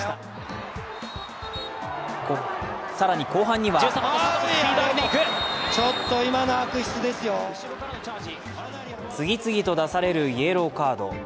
更に後半には次々と出されるイエローカード。